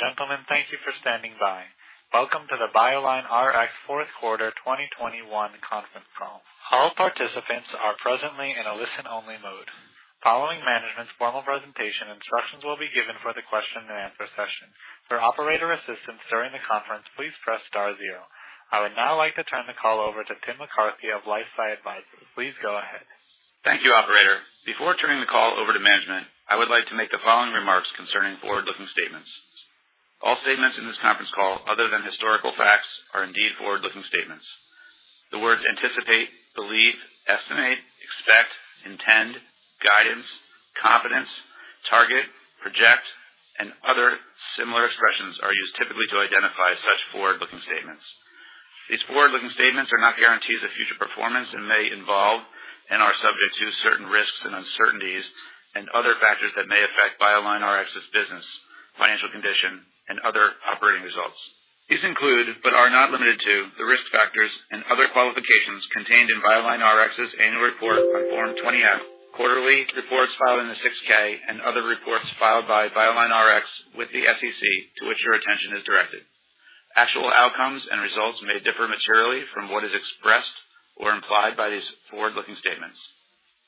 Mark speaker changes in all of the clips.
Speaker 1: Ladies and gentlemen, thank you for standing by. Welcome to the BioLineRx fourth quarter 2021 conference call. All participants are presently in a listen-only mode. Following management's formal presentation, instructions will be given for the question and answer session. For operator assistance during the conference, please press star zero. I would now like to turn the call over to Tim McCarthy of LifeSci Advisors. Please go ahead.
Speaker 2: Thank you, operator. Before turning the call over to management, I would like to make the following remarks concerning forward-looking statements. All statements in this conference call, other than historical facts, are indeed forward-looking statements. The words anticipate, believe, estimate, expect, intend, guidance, confidence, target, project, and other similar expressions are used typically to identify such forward-looking statements. These forward-looking statements are not guarantees of future performance and may involve and are subject to certain risks and uncertainties and other factors that may affect BioLineRx's business, financial condition, and other operating results. These include, but are not limited to, the risk factors and other qualifications contained in BioLineRx's annual report on Form 20-F, quarterly reports filed on Form 6-K and other reports filed by BioLineRx with the SEC to which your attention is directed. Actual outcomes and results may differ materially from what is expressed or implied by these forward-looking statements.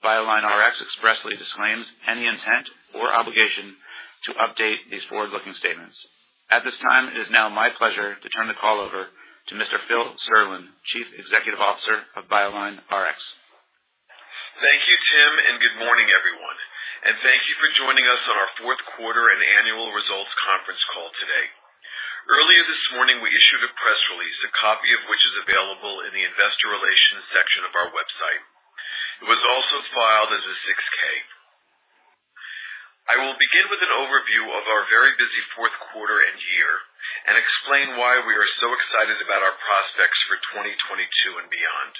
Speaker 2: BioLineRx expressly disclaims any intent or obligation to update these forward-looking statements. At this time, it is now my pleasure to turn the call over to Mr. Philip Serlin, Chief Executive Officer of BioLineRx.
Speaker 3: Thank you, Tim, and good morning, everyone. Thank you for joining us on our fourth quarter and annual results conference call today. Earlier this morning, we issued a press release, a copy of which is available in the investor relations section of our website. It was also filed as a 6-K. I will begin with an overview of our very busy fourth quarter and year and explain why we are so excited about our prospects for 2022 and beyond.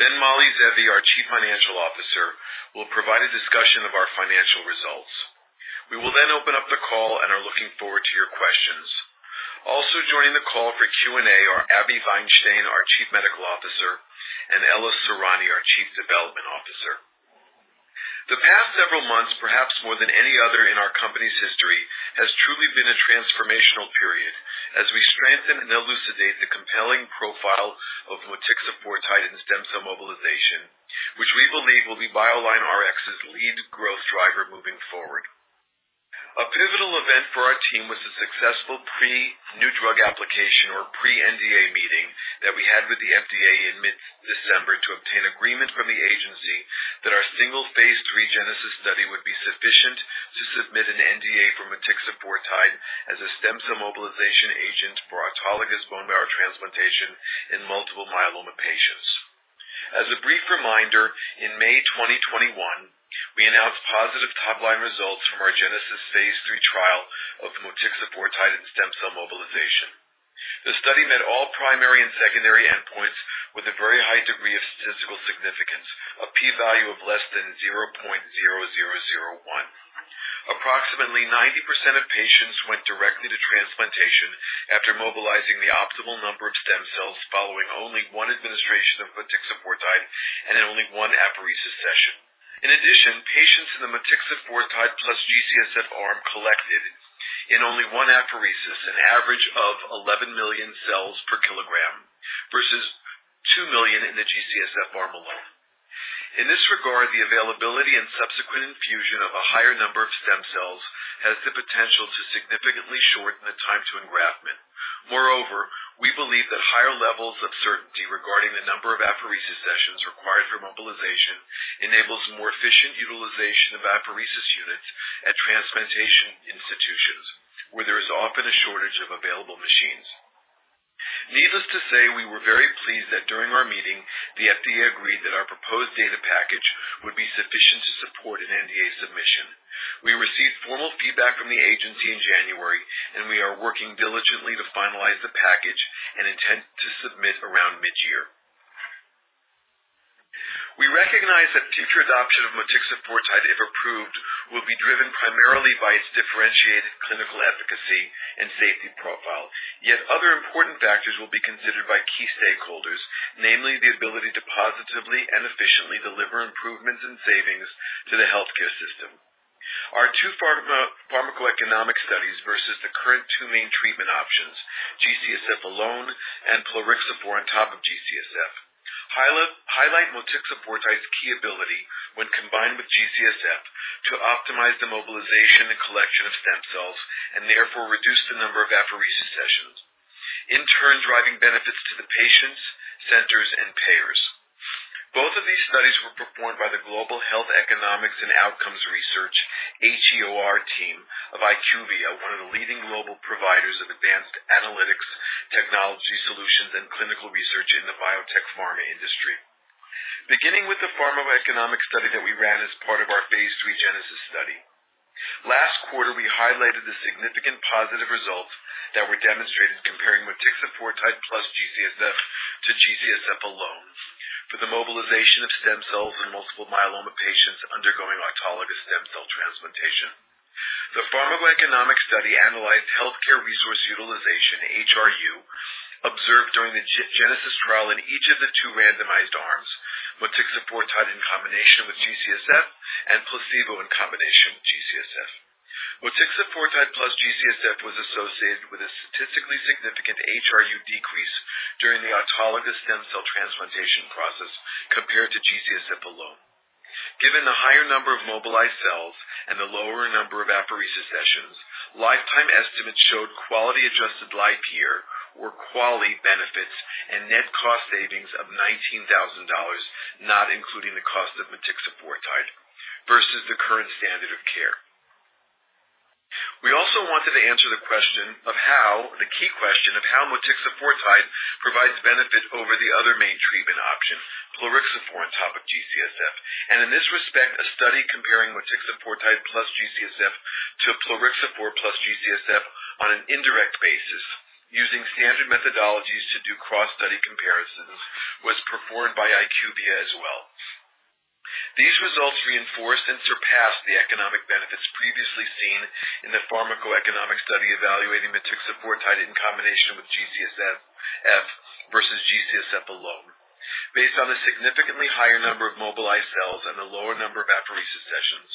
Speaker 3: Then Mali Zeevi, our Chief Financial Officer, will provide a discussion of our financial results. We will then open up the call and are looking forward to your questions. Also joining the call for Q&A are Abi Vainstein, our Chief Medical Officer, and Ella Sorani, our Chief Development Officer. The past several months, perhaps more than any other in our company's history, has truly been a transformational period as we strengthen and elucidate the compelling profile of motixafortide and stem cell mobilization, which we believe will be BioLineRx's lead growth driver moving forward. A pivotal event for our team was the successful pre new drug application or pre NDA meeting that we had with the FDA in mid-December to obtain agreement from the agency that our single phase III GENESIS study would be sufficient to submit an NDA for motixafortide as a stem cell mobilization agent for autologous bone marrow transplantation in multiple myeloma patients. As a brief reminder, in May 2021, we announced positive top-line results from our GENESIS phase III trial of motixafortide and stem cell mobilization. The study met all primary and secondary endpoints with a very high degree of statistical significance, a P value of less than 0.0001. Approximately 90% of patients went directly to transplantation after mobilizing the optimal number of stem cells following only one administration of motixafortide and only one apheresis session. In addition, patients in the motixafortide plus GCSF arm collected in only one apheresis, an average of 11 million cells per kilogram versus 2 million in the GCSF arm alone. In this regard, the availability and subsequent infusion of a higher number of stem cells has the potential to significantly shorten the time to engraftment. Moreover, we believe that higher levels of certainty regarding the number of apheresis sessions required for mobilization enables more efficient utilization of apheresis units at transplantation institutions, where there is often a shortage of available machines. Needless to say, we were very pleased that during our meeting, the FDA agreed that our proposed data package would be sufficient to support an NDA submission. We received formal feedback from the agency in January, and we are working diligently to finalize the package and intend to submit around mid-year. We recognize that future adoption of motixafortide, if approved, will be driven primarily by its differentiated clinical efficacy and safety profile. Yet other important factors will be considered by key stakeholders, namely the ability to positively and efficiently deliver improvements and savings to the healthcare system. Our two pharmacoeconomic studies versus the current two main treatment options, GCSF alone and plerixafor on top of GCSF, highlight motixafortide's key ability when combined with GCSF to optimize the mobilization and collection of stem cells and therefore reduce the number of apheresis sessions, in turn, driving benefits to the patients, centers, and payers. Both of these studies were performed by the Global Health Economics and Outcomes Research, HEOR team of IQVIA, one of the leading global providers of advanced analytics, technology solutions and clinical research in the biotech pharma industry. Beginning with the pharmacoeconomic study that we ran as part of our phase III GENESIS study. Last quarter, we highlighted the significant positive results that were demonstrated comparing motixafortide plus GCSF to GCSF alone for the mobilization of stem cells in multiple myeloma patients undergoing autologous stem cell transplantation. The pharmacoeconomic study analyzed healthcare resource utilization, HRU observed during the GENESIS trial in each of the two randomized arms, motixafortide in combination with GCSF and placebo in combination with GCSF. Motixafortide plus GCSF was associated with a statistically significant HRU decrease during the autologous stem cell transplantation process compared to GCSF alone. Given the higher number of mobilized cells and the lower number of apheresis sessions, lifetime estimates showed quality adjusted life year or QALY benefits and net cost savings of $19,000, not including the cost of motixafortide versus the current standard of care. We also wanted to answer the key question of how motixafortide provides benefit over the other main treatment option, plerixafor on top of GCSF. In this respect, a study comparing motixafortide plus GCSF to plerixafor plus GCSF on an indirect basis using standard methodologies to do cross study comparisons was performed by IQVIA as well. These results reinforced and surpassed the economic benefits previously seen in the pharmacoeconomic study evaluating motixafortide in combination with GCSF versus GCSF alone based on the significantly higher number of mobilized cells and the lower number of apheresis sessions.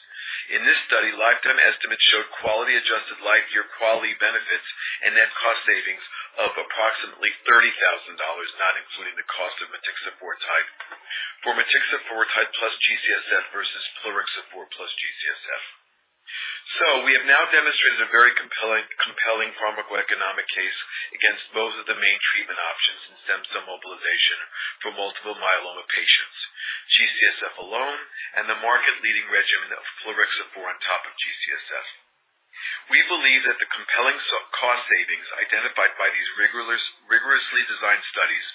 Speaker 3: In this study, lifetime estimates showed quality adjusted life year QALY benefits and net cost savings of approximately $30,000, not including the cost of motixafortide for motixafortide plus GCSF versus plerixafor plus GCSF. We have now demonstrated a very compelling pharmacoeconomic case against both of the main treatment options in stem cell mobilization for multiple myeloma patients, GCSF alone and the market leading regimen of plerixafor on top of GCSF. We believe that the compelling cost savings identified by these rigorously designed studies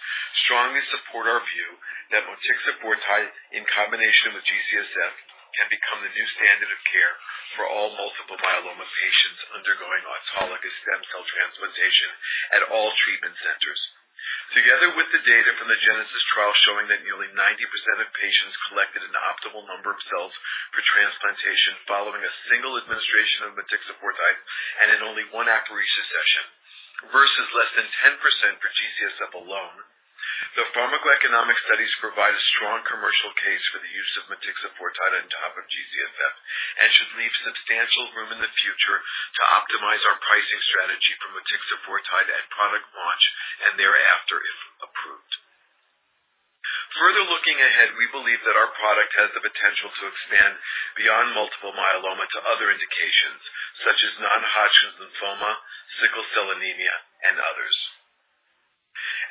Speaker 3: strongly support our view that motixafortide in combination with GCSF can become the new standard of care for all multiple myeloma patients undergoing autologous stem cell transplantation at all treatment centers, together with the data from the GENESIS trial showing that nearly 90% of patients collected an optimal number of cells for transplantation following a single administration of motixafortide and in only one apheresis session versus less than 10% for GCSF alone. The pharmacoeconomic studies provide a strong commercial case for the use of motixafortide on top of GCSF and should leave substantial room in the future to optimize our pricing strategy for motixafortide at product launch and thereafter, if approved. Further looking ahead, we believe that our product has the potential to expand beyond multiple myeloma to other indications such as non-Hodgkin lymphoma, sickle cell anemia, and others.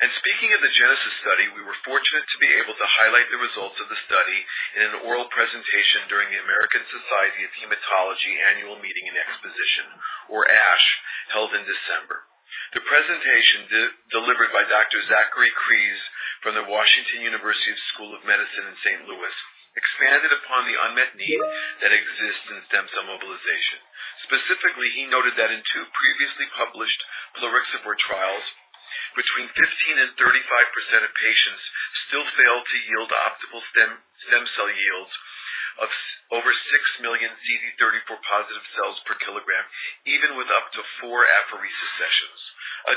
Speaker 3: Speaking of the GENESIS study, we were fortunate to be able to highlight the results of the study in an oral presentation during the American Society of Hematology Annual Meeting and Exposition, or ASH, held in December. The presentation delivered by Dr. Zachary Crees from the Washington University School of Medicine in St. Louis expanded upon the unmet need that exists in stem cell mobilization. Specifically, he noted that in two previously published plerixafor trials, between 15% and 35% of patients still failed to yield optimal stem cell yields of over 6 million CD34 positive cells per kilogram, even with up to four apheresis sessions.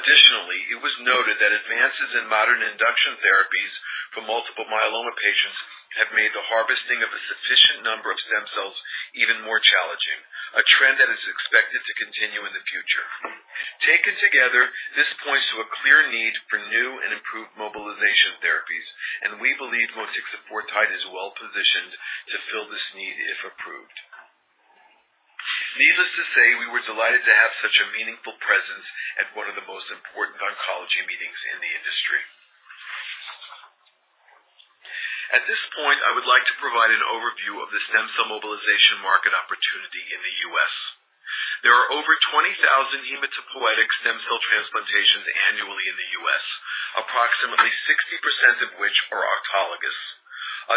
Speaker 3: Additionally, it was noted that advances in modern induction therapies for multiple myeloma patients have made the harvesting of a sufficient number of stem cells even more challenging, a trend that is expected to continue in the future. Taken together, this points to a clear need for new and improved mobilization therapies, and we believe motixafortide is well-positioned to fill this need if approved. Needless to say, we were delighted to have such a meaningful presence at one of the most important oncology meetings in the industry. At this point, I would like to provide an overview of the stem cell mobilization market opportunity in the U.S. There are over 20,000 hematopoietic stem cell transplantations annually in the U.S., approximately 60% of which are autologous.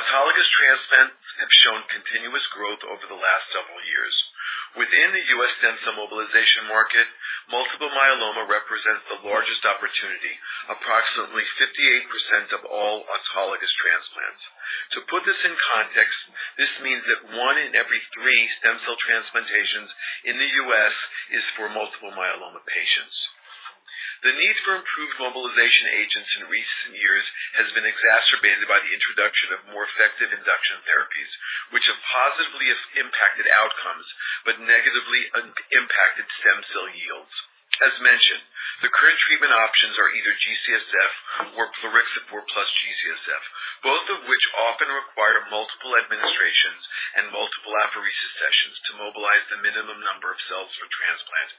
Speaker 3: Autologous transplants have shown continuous growth over the last several years. Within the U.S. stem cell mobilization market, multiple myeloma represents the largest opportunity, approximately 58% of all autologous transplants. To put this in context, this means that one in every three stem cell transplantations in the U.S. is for multiple myeloma patients. The need for improved mobilization agents in recent years has been exacerbated by the introduction of more effective induction therapies, which have positively impacted outcomes but negatively impacted stem cell yields. As mentioned, the current treatment options are either GCSF or plerixafor plus GCSF, both of which often require multiple administrations and multiple apheresis sessions to mobilize the minimum number of cells for transplant.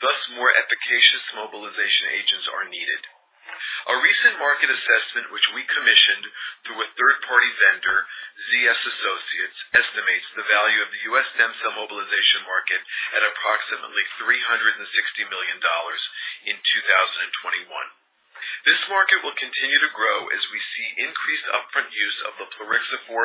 Speaker 3: Thus, more efficacious mobilization agents are needed. A recent market assessment, which we commissioned through a third-party vendor, ZS Associates, estimates the value of the U.S. stem cell mobilization market at approximately $360 million in 2021. This market will continue to grow as we see increased upfront use of the plerixafor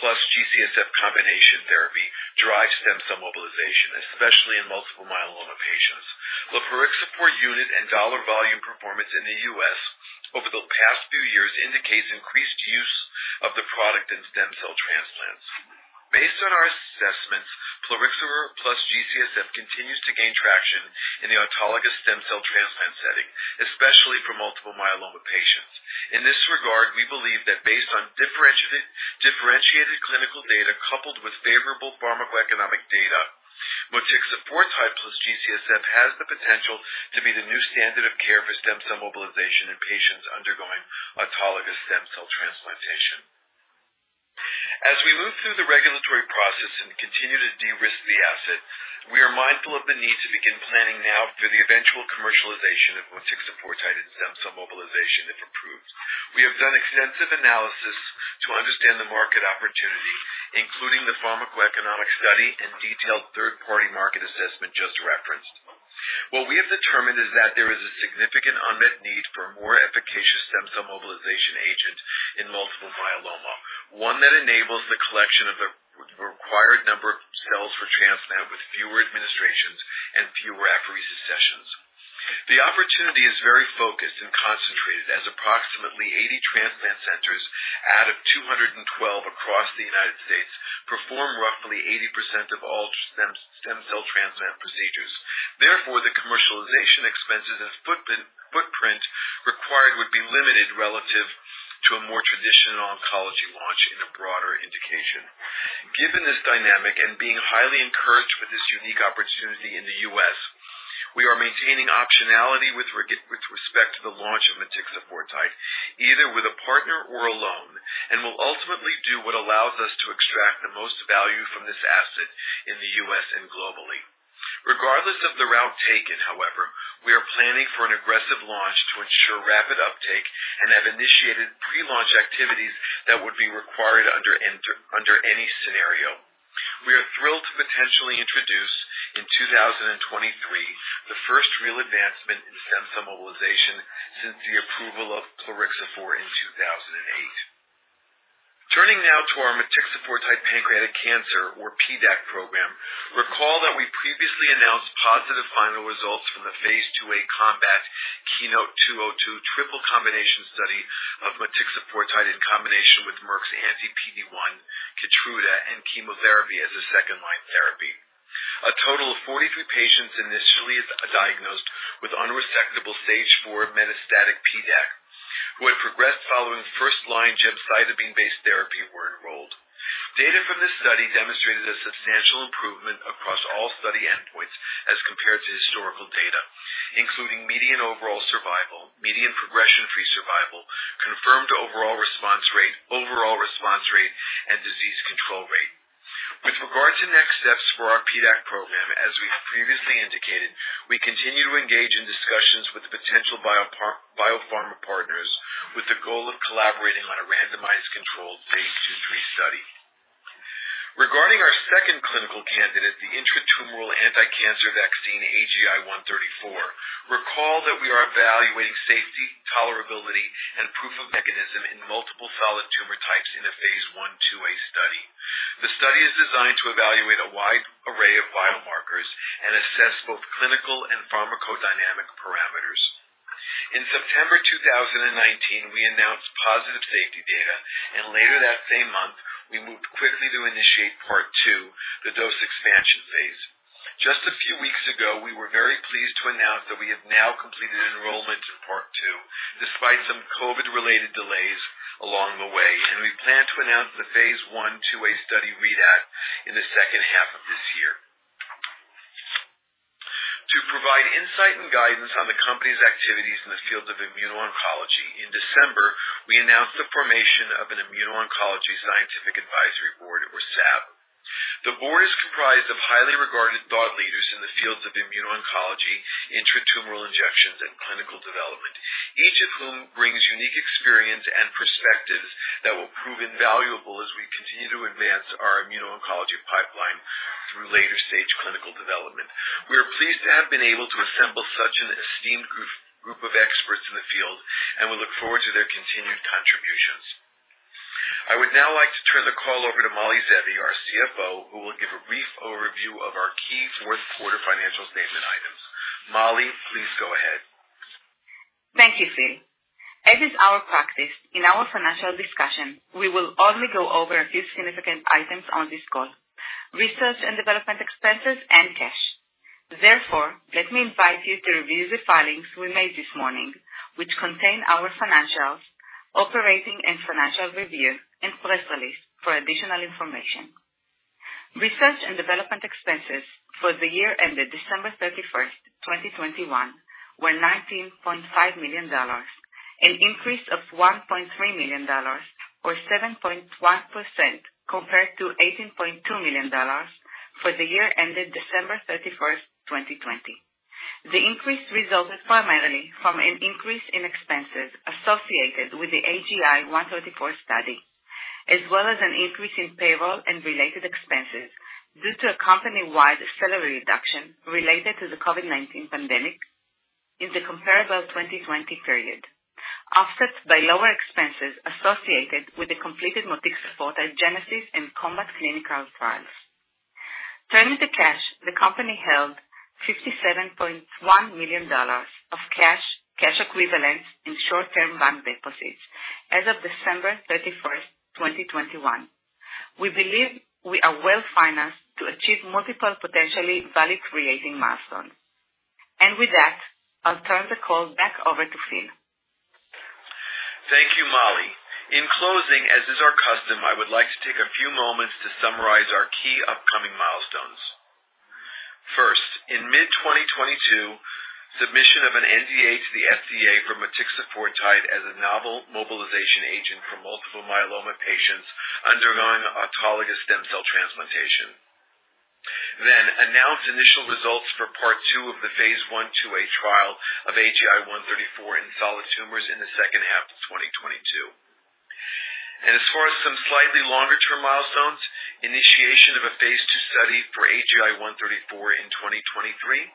Speaker 3: plus GCSF combination therapy drive stem cell mobilization, especially in multiple myeloma patients. The plerixafor unit and dollar volume performance in the U.S. over the past few years indicates increased use of the product in stem cell transplants. Based on our assessments, plerixafor plus GCSF continues to gain traction in the autologous stem cell transplant setting, especially for multiple myeloma patients. In this regard, we believe that based on differentiated clinical data coupled with favorable pharmacoeconomic data, motixafortide plus GCSF has the potential to be the new standard of care for stem cell mobilization in patients undergoing autologous stem cell transplantation. As we move through the regulatory process and continue to de-risk the asset, we are mindful of the need to begin planning now for the eventual commercialization of motixafortide and stem cell mobilization, if approved. We have done extensive analysis to understand the market opportunity, including the pharmacoeconomic study and detailed third-party market assessment just referenced. What we have determined is that there is a significant unmet need for a more efficacious stem cell mobilization agent in multiple myeloma, one that enables the collection of the required number of cells for transplant with fewer administrations and fewer apheresis sessions. The opportunity is very focused and concentrated as approximately 80 transplant centers out of 212 across the United States perform roughly 80% of all stem cell transplant procedures. Therefore, the commercialization expenses and footprint required would be limited relative to a more traditional oncology launch in a broader indication. Given this dynamic and being highly encouraged with this unique opportunity in the U.S., we are maintaining optionality with respect to the launch of motixafortide, either with a partner or alone, and will ultimately do what allows us to extract the most value from this asset in the U.S. and globally. Regardless of the route taken, however, we are planning for an aggressive launch to ensure rapid uptake and have initiated pre-launch activities that would be required under any scenario. We are thrilled to potentially introduce, in 2023, the first real advancement in stem cell mobilization since the approval of plerixafor in 2008. Turning now to our motixafortide pancreatic cancer or PDAC program. Recall that we previously announced positive final results from the phase II-A COMBAT/KEYNOTE-202 triple combination study of motixafortide in combination with Merck's anti-PD-1, Keytruda, and chemotherapy as a second-line therapy. A total of 43 patients initially diagnosed with unresectable stage IV metastatic PDAC, who had progressed following first-line gemcitabine-based therapy, were enrolled. Data from this study demonstrated a substantial improvement across all study endpoints as compared to historical data, including median overall survival, median progression-free survival, confirmed overall response rate, overall response rate, and disease control rate. With regard to next steps for our PDAC program, as we've previously indicated, we continue to engage in discussions with potential biopharma partners with the goal of collaborating on a randomized controlled phase II/III study. Regarding our second clinical candidate, the intratumoral anticancer vaccine AGI-134, recall that we are evaluating safety, tolerability, and proof of mechanism in multiple solid tumor types in a phase I/II-A study. The study is designed to evaluate a wide array of biomarkers and assess both clinical and pharmacodynamic parameters. In September 2019, we announced positive safety data, and later that same month, we moved quickly to initiate part two, the dose expansion phase. Just a few weeks ago, we were very pleased to announce that we have now completed enrollment in part two, despite some COVID-related delays along the way, and we plan to announce the phase I/II-A study read-out in the second half of this year. To provide insight and guidance on the company's activities in the field of immuno-oncology, in December, we announced the formation of an immuno-oncology scientific advisory board or SAB. The board is comprised of highly regarded thought leaders in the fields of immuno-oncology, intratumoral injections, and clinical development, each of whom brings unique experience and perspectives that will prove invaluable as we continue to advance our immuno-oncology pipeline through later stage clinical development. We are pleased to have been able to assemble such an esteemed group of experts in the field and we look forward to their continued contributions. I would now like to turn the call over to Mali Zeevi, our CFO, who will give a brief overview of our key fourth quarter financial statement items. Mali, please go ahead.
Speaker 4: Thank you, Phil. As is our practice, in our financial discussion, we will only go over a few significant items on this call, research and development expenses and cash. Therefore, let me invite you to review the filings we made this morning, which contain our financials, operating and financial review, and press release for additional information. Research and development expenses for the year ended December 31st, 2021, were $19.5 million, an increase of $1.3 million or 7.1% compared to $18.2 million for the year ended December 31st, 2020. The increase resulted primarily from an increase in expenses associated with the AGI-134 study, as well as an increase in payroll and related expenses due to a company-wide salary reduction related to the COVID-19 pandemic in the comparable 2020 period, offset by lower expenses associated with the completed motixafortide GENESIS and COMBAT clinical trials. Turning to cash, the company held $57.1 million of cash equivalents in short-term bank deposits as of December 31st, 2021. We believe we are well-financed to achieve multiple potentially value-creating milestones. With that, I'll turn the call back over to Phil.
Speaker 3: Thank you, Mali. In closing, as is our custom, I would like to take a few moments to summarize our key upcoming milestones. First, in mid-2022, submission of an NDA to the FDA for motixafortide as a novel mobilization agent for multiple myeloma patients undergoing autologous stem cell transplantation. Then, announce initial results for part two of the phase I/II-A trial of AGI-134 in solid tumors in the second half of 2022. As far as some slightly longer-term milestones, initiation of a phase II study for AGI-134 in 2023.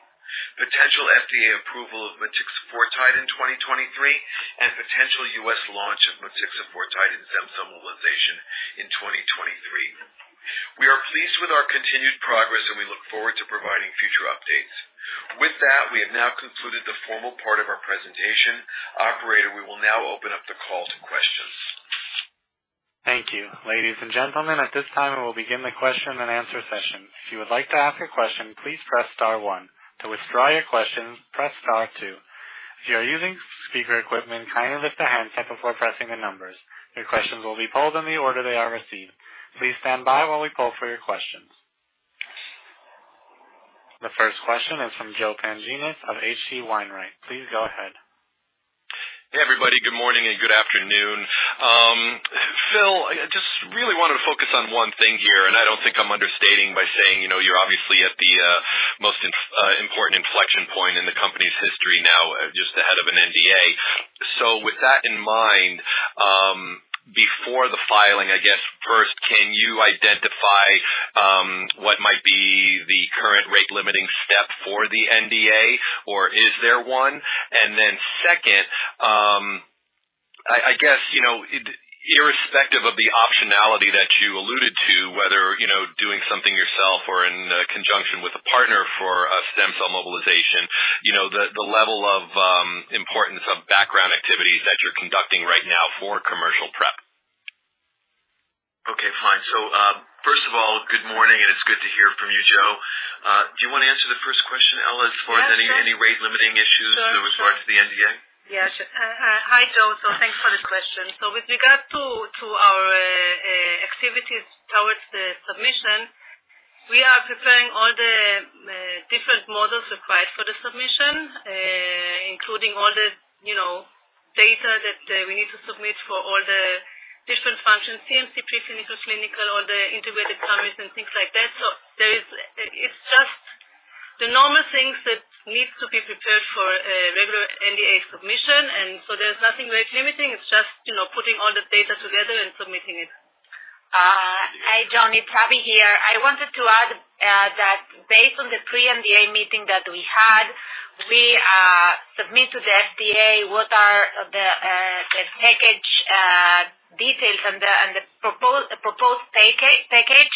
Speaker 3: Potential FDA approval of motixafortide in 2023, and potential U.S. launch of motixafortide in stem cell mobilization in 2023. We are pleased with our continued progress, and we look forward to providing future updates. With that, we have now concluded the formal part of our presentation. Operator, we will now open up the call to questions.
Speaker 1: Thank you. Ladies and gentlemen, at this time, we will begin the question and answer session. If you would like to ask a question, please press star one. To withdraw your question, press star two. If you are using speaker equipment, kindly lift the handset before pressing the numbers. Your questions will be pulled in the order they are received. Please stand by while we pull for your questions. The first question is from Joe Pantginis of H.C. Wainwright. Please go ahead.
Speaker 5: Hey, everybody. Good morning and good afternoon. Phil, I just really want to focus on one thing here, and I don't think I'm understating by saying, you know, you're obviously at the most important inflection point in the company's history now, just ahead of an NDA. With that in mind, before the filing, I guess, first, can you identify what might be the current rate limiting step for the NDA? Or is there one? Then second, I guess, you know, irrespective of the optionality that you alluded to, whether, you know, doing something yourself or in conjunction with a partner for a stem cell mobilization, you know, the level of importance of background activities that you're conducting right now for commercial prep.
Speaker 3: Okay, fine. First of all, good morning, and it's good to hear from you, Joe. Do you want to answer the first question, Ella, as far as any rate limiting issues with regards to the NDA?
Speaker 6: Yeah, sure. Hi, Joe. Thanks for the question. With regard to our activities towards the submission, we are preparing all the different models required for the submission, including all the, you know, data that we need to submit for all the different functions, CMC, pre-clinical, clinical, all the integrated summaries and things like that. It's just the normal things that needs to be prepared for a regular NDA submission. There's nothing rate limiting. It's just, you know, putting all the data together and submitting it.
Speaker 7: Hi, Joe, it's Abi here. I wanted to add that based on the pre-NDA meeting that we had, we submitted to the FDA what the package details and the proposed package,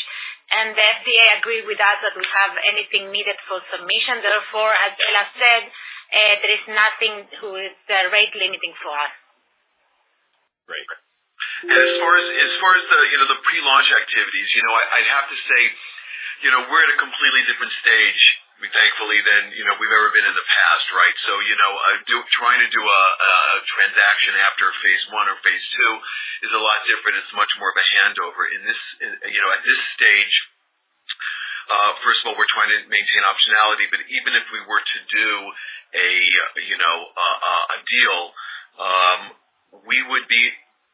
Speaker 7: and the FDA agreed with us that we have everything needed for submission. Therefore, as Ella said, there is nothing that is rate-limiting for us.
Speaker 5: Great.
Speaker 3: As far as the pre-launch activities, you know, I'd have to say, you know, we're at a completely different stage, thankfully, than we've ever been in the past, right? You know, trying to do a transaction after phase I or phase II is a lot different. It's much more of a handover. In this, you know, at this stage, first of all, we're trying to maintain optionality, but even if we were to do a, you know, a deal, we would be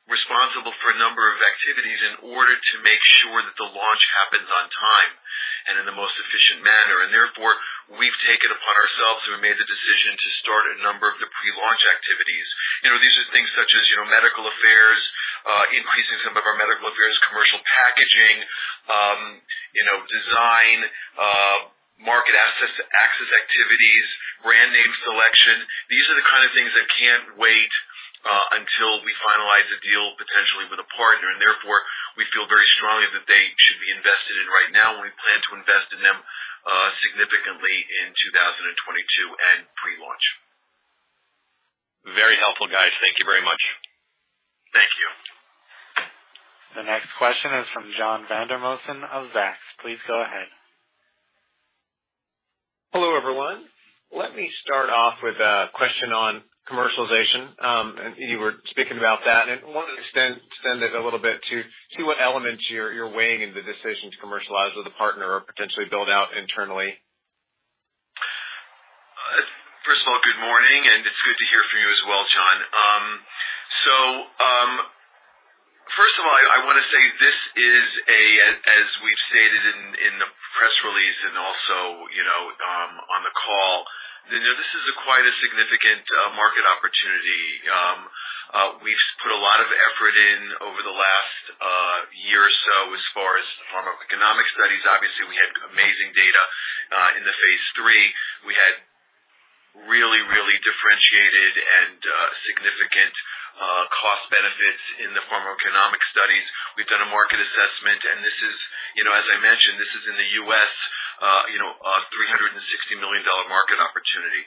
Speaker 3: responsible for a number of activities in order to make sure that the launch happens on time and in the most efficient manner. Therefore, we've taken upon ourselves and made the decision to start a number of the pre-launch activities. You know, these are things such as, you know, medical affairs, increasing some of our medical affairs, commercial packaging, you know, design, market access activities, brand name selection. These are the kind of things that can't wait until we finalize a deal potentially with a partner. Therefore, we feel very strongly that they should be invested in right now, and we plan to invest in them significantly in 2022 and pre-launch.
Speaker 5: Very helpful, guys. Thank you very much.
Speaker 3: Thank you.
Speaker 1: The next question is from John Vandermosten of Zacks. Please go ahead.
Speaker 8: Hello, everyone. Let me start off with a question on commercialization. You were speaking about that, and I wanted to extend it a little bit to see what elements you're weighing in the decision to commercialize with a partner or potentially build out internally.
Speaker 3: First of all, good morning, and it's good to hear from you as well, John. So, first of all, I wanna say this is a, as we've stated in the press release and also, you know, on the call, you know, this is quite a significant market opportunity. We've put a lot of effort in over the last year or so as far as pharmacoeconomic studies. Obviously, we had amazing data in the phase III. We had really differentiated and significant cost benefits in the pharmacoeconomic studies. We've done a market assessment, and this is, you know, as I mentioned, this is in the U.S., you know, a $360 million market opportunity.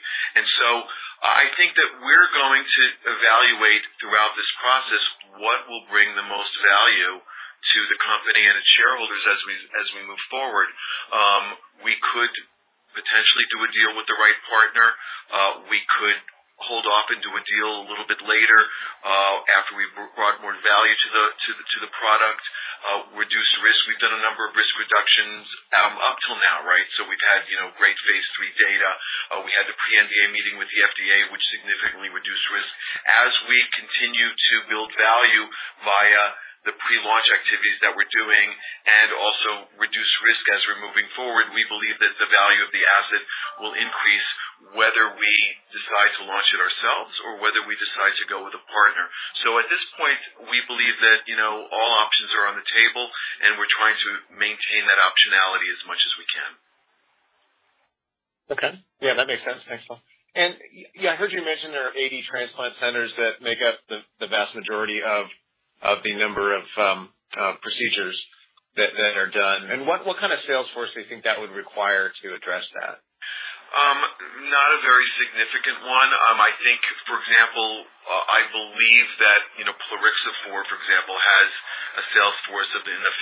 Speaker 3: I think that we're going to evaluate throughout this process what will bring the most value to the company and its shareholders as we move forward. We could potentially do a deal with the right partner. We could hold off and do a deal a little bit later after we've brought more value to the product, reduce risk. We've done a number of risk reductions up till now, right? We've had, you know, great phase III data. We had the pre-NDA meeting with the FDA, which significantly reduced risk. As we continue to build value via the pre-launch activities that we're doing and also reduce risk as we're moving forward, we believe that the value of the asset will increase whether we decide to launch it ourselves or whether we decide to go with a partner. At this point, we believe that, you know, all options are on the table, and we're trying to maintain that optionality as much as we can.
Speaker 8: Okay. Yeah, that makes sense. Thanks, Phil. Yeah, I heard you mention there are 80 transplant centers that make up the vast majority of the number of procedures that are done. What kind of sales force do you think that would require to address that?
Speaker 3: Not a very significant one. I think for example, I believe that, you know, plerixafor for example has a sales force of in the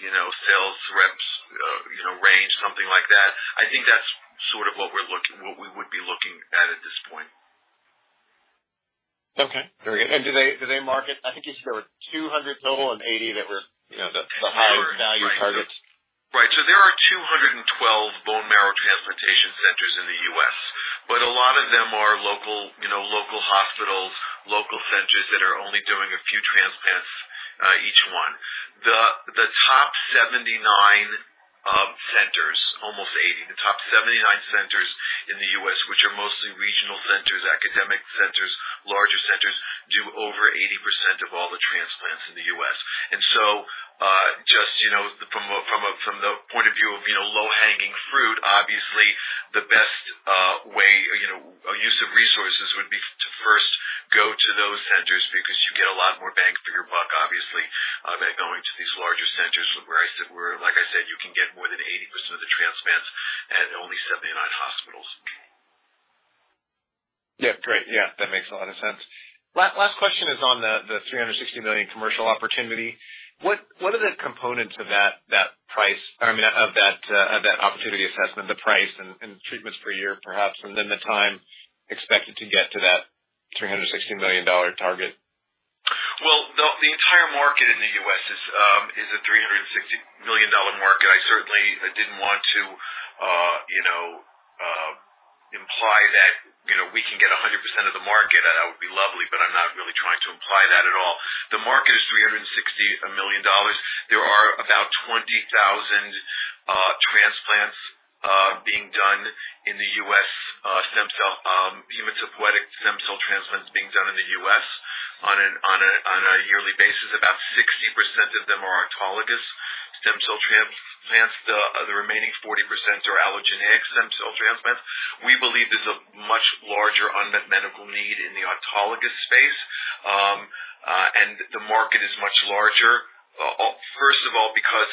Speaker 3: 15-20 sales reps, you know, range, something like that. I think that's sort of what we would be looking at at this point.
Speaker 8: Okay. Very good. Do they market? I think you said there were 200 total and 80 that were, you know, the highest value targets.
Speaker 3: Right. There are 212 bone marrow transplantation centers in the U.S., but a lot of them are local, you know, local hospitals, local centers that are only doing a few transplants each one. The top 79 centers, almost 80, the top 79 centers in the U.S., which are mostly regional centers, academic centers, larger centers, do over 80% of all the transplants in the U.S. Just, you know, from the point of view of low-hanging fruit, obviously the best way, you know, use of resources would be to first go to those centers because you get a lot more bang for your buck, obviously, by going to these larger centers where, like I said, you can get more than 80% of the transplants at only 79 hospitals.
Speaker 8: Yeah. Great. Yeah, that makes a lot of sense. Last question is on the $360 million commercial opportunity. What are the components of that price? I mean, of that opportunity assessment, the price and treatments per year perhaps, and then the time expected to get to that $360 million target?
Speaker 3: Well, the entire market in the U.S. is a $360 million market. I certainly didn't want to imply that, you know, we can get 100% of the market. That would be lovely, but I'm not really trying to imply that at all. The market is $360 million. There are about 20,000 transplants being done in the U.S. Hematopoietic stem cell transplants being done in the U.S. on a yearly basis. About 60% of them are autologous stem cell transplants. The remaining 40% are allogeneic stem cell transplants. We believe there's a much larger unmet medical need in the autologous space. The market is much larger, first of all because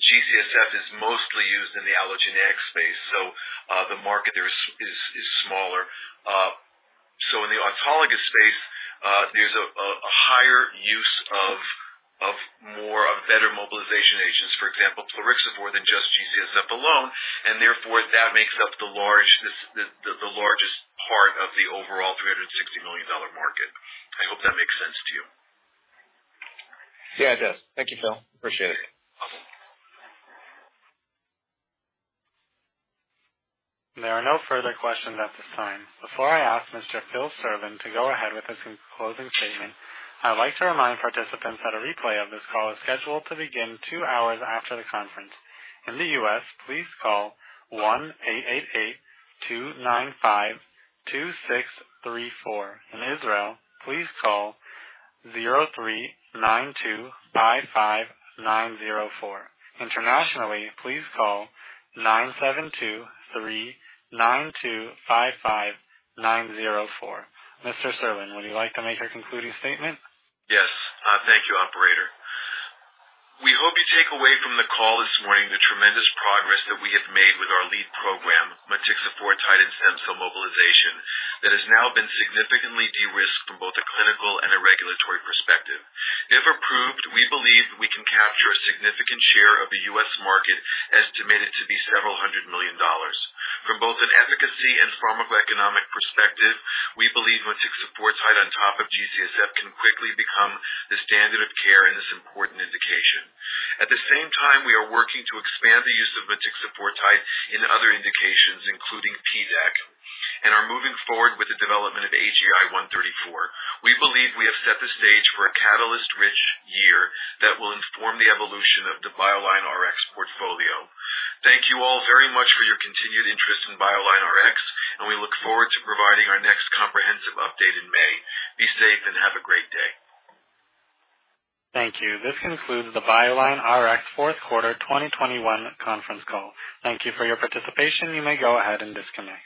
Speaker 3: GCSF is mostly used in the allogeneic space, so the market there is smaller. In the autologous space, there's a higher use of better mobilization agents, for example, plerixafor than just GCSF alone, and therefore that makes up the largest part of the overall $360 million market. I hope that makes sense to you.
Speaker 8: Yeah, it does. Thank you, Phil. Appreciate it.
Speaker 1: There are no further questions at this time. Before I ask Mr. Philip Serlin to go ahead with his closing statement, I'd like to remind participants that a replay of this call is scheduled to begin two hours after the conference. In the U.S., please call 1-888-295-2634. In Israel, please call 03-925-5904. Internationally, please call +972-3-925-5904. Mr. Serlin, would you like to make your concluding statement?
Speaker 3: Yes. Thank you, operator. We hope you take away from the call this morning the tremendous progress that we have made with our lead program, motixafortide in stem cell mobilization, that has now been significantly de-risked from both a clinical and a regulatory perspective. If approved, we believe we can capture a significant share of the U.S. market, estimated to be several hundred million dollars. From both an efficacy and pharmacoeconomic perspective, we believe motixafortide on top of GCSF can quickly become the standard of care in this important indication. At the same time, we are working to expand the use of motixafortide in other indications, including PDAC, and are moving forward with the development of AGI-134. We believe we have set the stage for a catalyst-rich year that will inform the evolution of the BioLineRx portfolio. Thank you all very much for your continued interest in BioLineRx, and we look forward to providing our next comprehensive update in May. Be safe and have a great day.
Speaker 1: Thank you. This concludes the BioLineRx fourth quarter 2021 conference call. Thank you for your participation. You may go ahead and disconnect.